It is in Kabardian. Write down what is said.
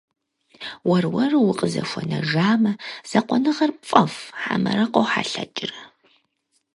Уэр-уэру укъызыхуэнэжамэ, закъуэныгъэр пфӏэфӏ хьэмэ къохьэлъэкӏрэ?